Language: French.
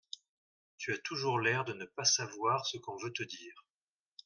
Tu as toujours l'air de ne pas savoir ce qu'on veut te dire.